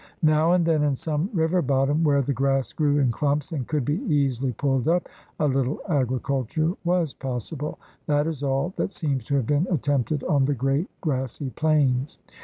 Now and then in some river bottom where the grass grew in clumps and could be easily pulled up, a little agriculture was possible. That is all that seems to have been attempted on the great grassy plains.